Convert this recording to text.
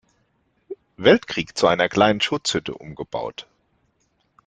Weltkrieg zu einer kleinen Schutzhütte umgebaut.